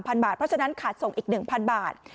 เพราะฉะนั้นขาดส่งอีก๑๐๐บาท